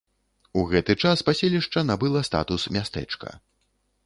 У гэты час паселішча набыла статус мястэчка.